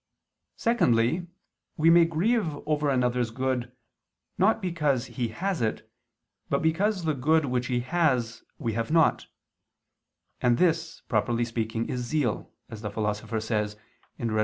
Secondly, we may grieve over another's good, not because he has it, but because the good which he has, we have not: and this, properly speaking, is zeal, as the Philosopher says (Rhet.